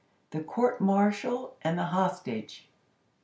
_The Court martial and the Hostage.